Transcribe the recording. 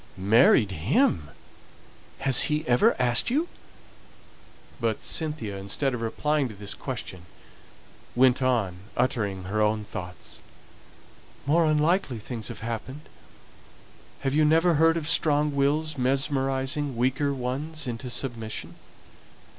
"Married him! Has he ever asked you?" But Cynthia, instead of replying to this question, went on, uttering her own thoughts, "More unlikely things have happened. Have you never heard of strong wills mesmerizing weaker ones into submission?